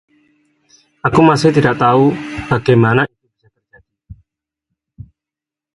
Aku masih tidak tahu bagaimana itu bisa terjadi.